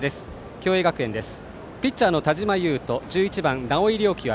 共栄学園です。